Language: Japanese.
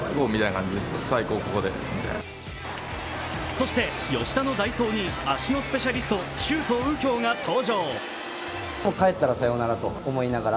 そして吉田の代走に足のスペシャリスト、周東佑京が登場。